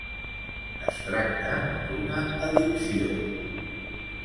Es tracta d'una addicció.